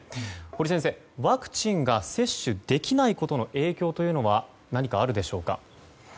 堀先生、ワクチンが接種できないことの影響は何かあるでしょうか。